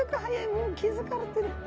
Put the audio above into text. もう気付かれてる。